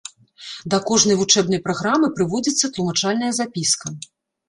Да кожнай вучэбнай праграмы прыводзіцца тлумачальная запіска.